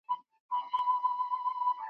زور خو زور وي، خو چم کول هم له زوره کم نه وي ,